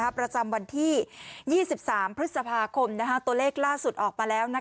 ประจำวันที่๒๓พฤษภาคมตัวเลขล่าสุดออกมาแล้ว